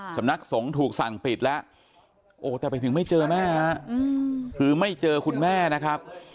สำนักสงฆ์ถูกสั่งปิดแล้วโอ้แต่ไปถึงไม่เจอแม่ฮะคือไม่เจอคุณแม่นะครับ